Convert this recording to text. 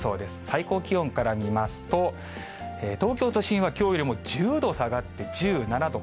最高気温から見ますと、東京都心はきょうよりも１０度下がって１７度。